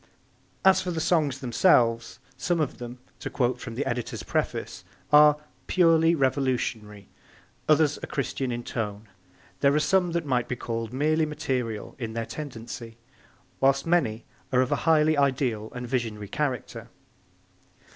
As for the songs themselves, some of them, to quote from the editor's preface, are 'purely revolutionary, others are Christian in tone; there are some that might be called merely material in their tendency, while many are of a highly ideal and visionary character.'